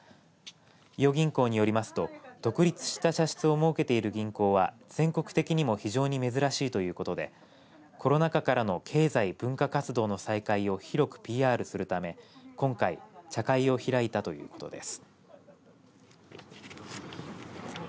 伊予銀行によりますと独立した茶室を設けている銀行は全国的にも非常に珍しいということでコロナ禍からの経済文化活動の再開を広くＰＲするため今回、茶会を開いたということです。